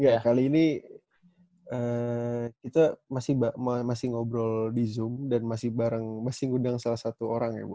iya kali ini kita masih ngobrol di zoom dan masih ngundang salah satu orang ya bu